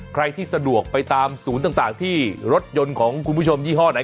ใครที่สะดวกไปตามศูนย์ต่างที่รถยนต์ของคุณผู้ชมยี่ห้อไหน